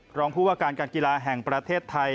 รองผู้ว่าการการกีฬาแห่งประเทศไทย